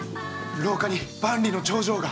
廊下に万里の長城が。